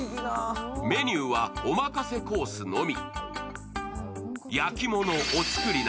メニューは、おまかせコースのみ。